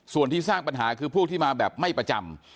ส่วนที่สร้างปัญหาคือพวกที่มาแบบไม่ประจำ